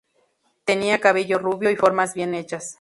Tenía cabello rubio y formas bien hechas.